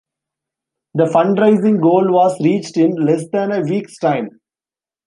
The fundraising goal was reached in less than a week's time.